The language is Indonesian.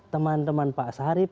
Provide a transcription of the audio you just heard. teman teman pak sarip